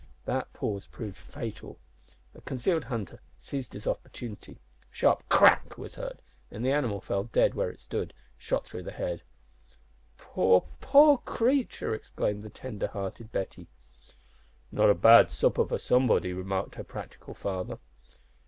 That pause proved fatal. A concealed hunter seized his opportunity; a sharp crack was heard, and the animal fell dead where it stood, shot through the head. "Poor, poor creature!" exclaimed the tender hearted Betty. "Not a bad supper for somebody," remarked her practical father.